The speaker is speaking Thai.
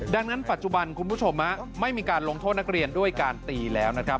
ดังนั้นปัจจุบันคุณผู้ชมไม่มีการลงโทษนักเรียนด้วยการตีแล้วนะครับ